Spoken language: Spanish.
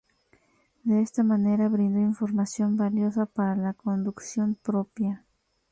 De esta manera brindó información valiosa para la conducción propia.